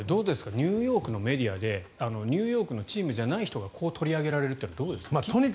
ニューヨークのメディアでニューヨークのチームじゃない人がこう取り上げられるってどうですか？